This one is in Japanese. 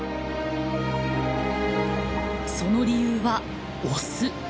その理由はオス。